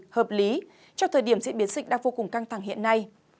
hợp lý trong thời điểm diễn biến dịch đang vô cùng căng thẳng hiện nay